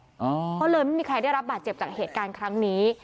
เพราะเลยไม่มีใครได้รับบาดเจ็บจากเหตุการณ์ครั้งนี้